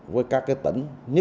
với các tỉnh